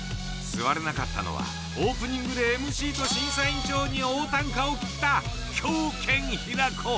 座れなかったのはオープニングでＭＣと審査委員長に大たんかを切った狂犬・平子。